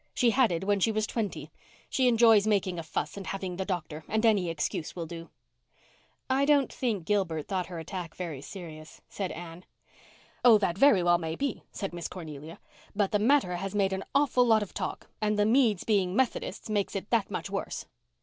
She had it when she was twenty. She enjoys making a fuss and having the doctor, and any excuse will do." "I don't think Gilbert thought her attack very serious," said Anne. "Oh, that may very well be," said Miss Cornelia. "But the matter has made an awful lot of talk and the Meads being Methodists makes it that much worse.